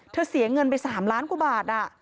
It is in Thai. เสียเงินไป๓ล้านกว่าบาท